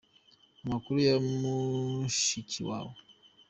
Amakuru ya mushiki wawe.